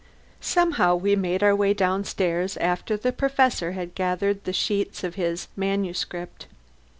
Somehow we made our way downstairs, after the Professor had gathered together the sheets of his manuscript.